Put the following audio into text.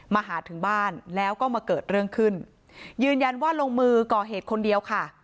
มาหาถึงบ้านแล้วก็มาเกิดเรื่องขึ้นยืนยันว่าลงมือก่อเหตุคนเดียวค่ะ